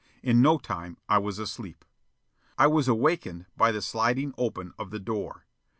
In no time I was asleep. I was awakened by the sliding open of the door.